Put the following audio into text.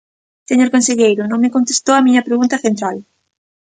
Señor conselleiro, non me contestou á miña pregunta central.